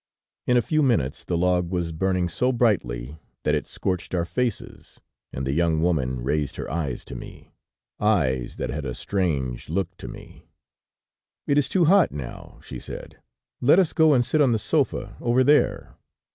"In a few minutes the log was burning so brightly that it scorched our faces, and the young woman raised her eyes to me eyes that had a strange look to me. "'It is too hot now,' she said; 'let us go and sit on the sofa over there.'